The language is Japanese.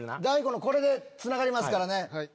大悟のこれでつながりますからね。